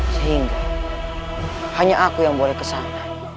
sehingga hanya aku yang boleh ke sana